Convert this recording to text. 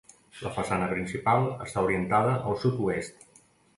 La façana principal està orientada al sud-oest.